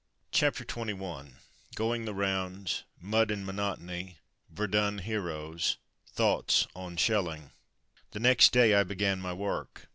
CHAPTER XXI GOING THE ROUNDS — MUD AND MONOTONY — VERDUN HEROES — ^THOUGHTS ON SHELLING The next day I began my work.